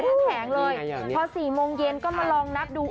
แท้งเลยพอ๔โมงเย็นก็มาลองนักดู